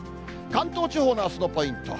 関東地方のあすのポイント。